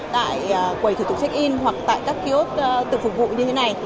tại quầy thủ tục check in hoặc tại các kiosk từng phục vụ như thế này